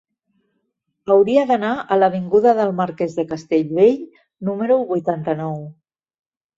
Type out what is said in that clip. Hauria d'anar a l'avinguda del Marquès de Castellbell número vuitanta-nou.